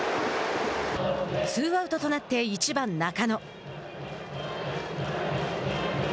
ツーアウトとなって１番中野。